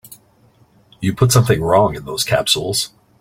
You put something wrong in those capsules.